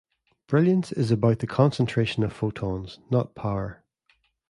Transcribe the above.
Brilliance is about the concentration of photons, not power.